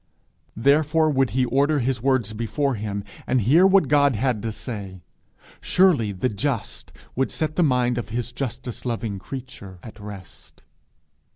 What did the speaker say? Therefore would he order his words before him, and hear what God had to say; surely the Just would set the mind of his justice loving creature at rest!